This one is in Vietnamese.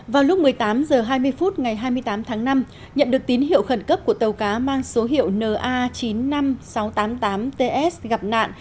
vào lúc một mươi tám h hai mươi phút ngày hai mươi tám tháng năm nhận được tín hiệu khẩn cấp của tàu cá mang số hiệu na chín mươi năm nghìn sáu trăm tám mươi tám ts gặp nạn